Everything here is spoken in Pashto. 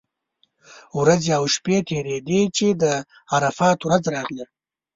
ورځې او شپې تېرېدې چې د عرفات ورځ راغله.